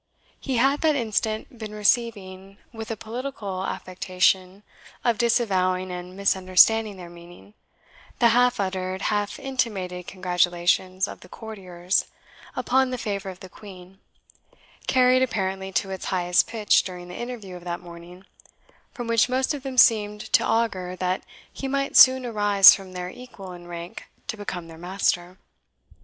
He had that instant been receiving, with a political affectation of disavowing and misunderstanding their meaning, the half uttered, half intimated congratulations of the courtiers upon the favour of the Queen, carried apparently to its highest pitch during the interview of that morning, from which most of them seemed to augur that he might soon arise from their equal in rank to become their master.